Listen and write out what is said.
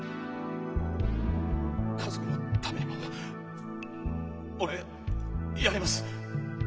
家族のためにも俺やります。